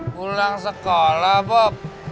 pulang sekolah bob